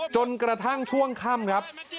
จนกระทั่งช่วงค่ำครับ